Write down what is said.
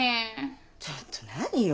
ちょっと何よ？